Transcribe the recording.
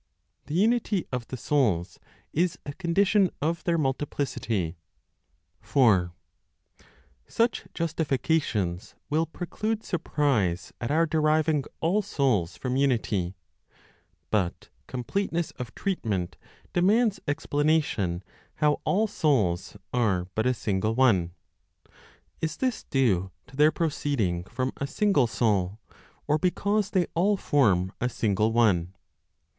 THE UNITY OF THE SOULS IS A CONDITION OF THEIR MULTIPLICITY. 4. Such justifications will preclude surprise at our deriving all souls from unity. But completeness of treatment demands explanation how all souls are but a single one. Is this due to their proceeding from a single Soul, or because they all form a single one?